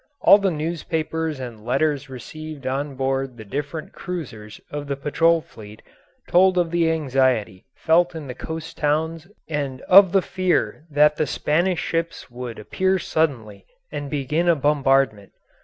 All the newspapers and letters received on board the different cruisers of the patrol fleet told of the anxiety felt in the coast towns and of the fear that the Spanish ships would appear suddenly and begin a bombardment.